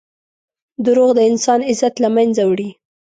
دروغ د انسان عزت له منځه وړي.